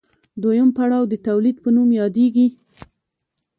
دویم پړاو د تولید په نوم یادېږي